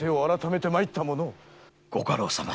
ご家老様